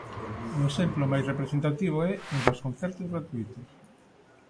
O exemplo máis representativo é o dos concertos gratuítos.